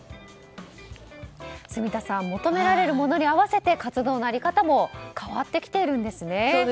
住田さん求められるものに合わせて活動の在り方も変わってきているんですね。